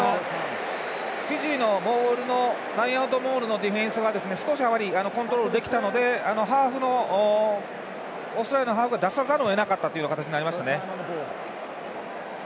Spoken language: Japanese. フィジーのラインアウトモールのディフェンスが少しコントロールできたのでオーストラリアのハーフが出さざるをえなかったという形になりましたね。